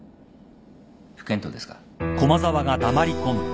不見当ですか。